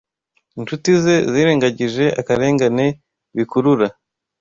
inshuti ze yirengagije akarengane bikurura